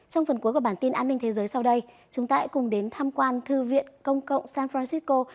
trong phần cuối của bản tin an ninh thế giới sau đây chúng ta hãy cùng đến tham quan thư viện công cộng san francisco